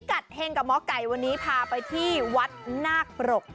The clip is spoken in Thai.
เฮงกับหมอไก่วันนี้พาไปที่วัดนาคปรก